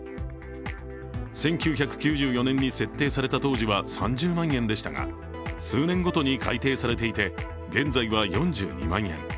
１９９４年に設定された当時は３０万円でしたが数年ごとに改定されていて、現在は４２万円。